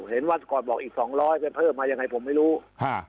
เห็นวันก่อนบอกอีกสองร้อยไปเพิ่มมายังไงผมไม่รู้ฮะ